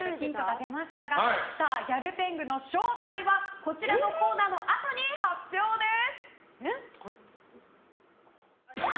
ギャル天狗の正体はこちらのコーナーのあとに発表です。